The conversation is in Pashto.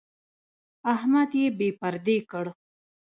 احمد يې بې پردې کړ.